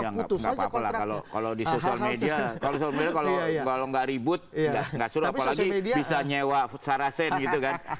ya nggak apa apa lah kalau di sosial media kalau soal media kalau nggak ribut nggak suruh apalagi bisa nyewa sarasen gitu kan